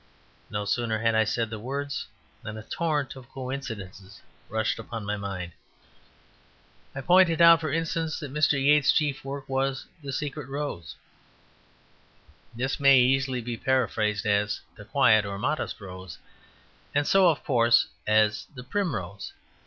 No sooner had I said the words than a torrent of coincidences rushed upon my mind. I pointed out, for instance, that Mr. Yeats's chief work was "The Secret Rose." This may easily be paraphrased as "The Quiet or Modest Rose"; and so, of course, as the Primrose.